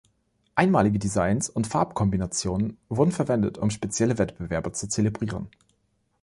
Einmalige Designs und Farbkombinationen wurden verwendet, um spezielle Wettbewerbe zu zelebrieren.